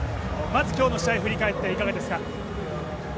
まず今日の試合振り返っていかがですか？